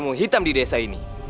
pergi dari sini